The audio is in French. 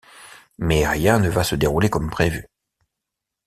Mais rien ne va se dérouler comme prévu.